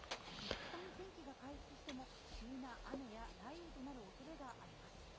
いったん天気が回復しても急な雨や雷雨となるおそれがあります。